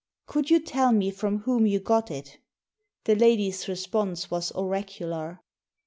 " Could you tell me from whom you got it ?" The lady's response was oracular.